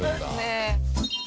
ねえ。